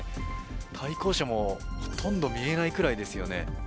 対向車もほとんど見えないくらいですよね。